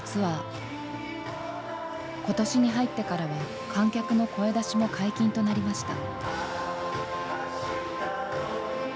今年に入ってからは観客の声出しも解禁となりました。